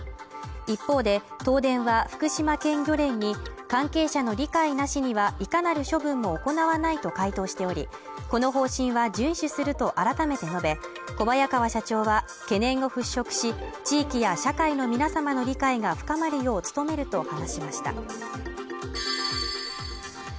一方で、東電は福島県漁連に関係者の理解なしにはいかなる処分も行わないと回答しており、この方針は遵守すると改めて述べ、小早川社長は懸念が払拭し、地域や社会の皆様の理解が深まるよう務めると話しました。